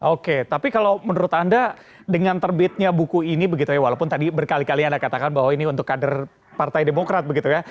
oke tapi kalau menurut anda dengan terbitnya buku ini begitu ya walaupun tadi berkali kali anda katakan bahwa ini untuk kader partai demokrat begitu ya